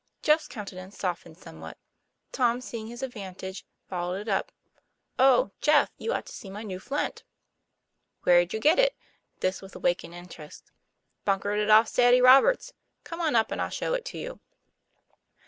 Jeff's countenance softened somewhat. Tom, see ing his advantage, followed it up. ' Oh, Jeff, you ought to see my new flint!" "Where'd you get it?" This with awakened inter est. ' Bunkered it off Sadie Roberts; come on up, and I'll show it to you."